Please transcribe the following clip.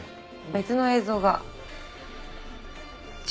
別の映像が。